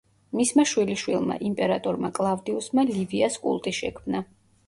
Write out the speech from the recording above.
მისმა შვილიშვილმა, იმპერატორმა კლავდიუსმა ლივიას კულტი შექმნა.